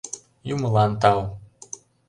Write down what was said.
Юмылан тау!..